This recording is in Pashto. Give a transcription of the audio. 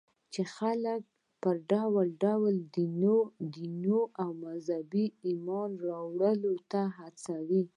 چې خلک پر ډول ډول دينونو او مذهبونو ايمان راوړلو ته وهڅوي.